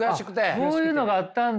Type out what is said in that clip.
そういうのがあったんだ。